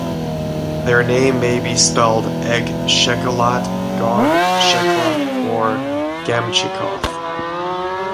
Their name may be spelled Agshekelot, Gog Sheklah, or Gamchicoth.